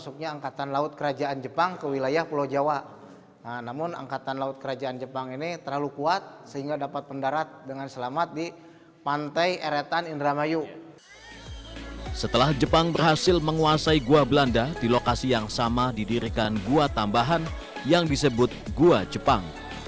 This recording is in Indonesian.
setelah jepang berhasil menguasai gua belanda di lokasi yang sama didirikan gua tambahan yang disebut gua jepang